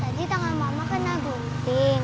tadi tangan mama kena gunting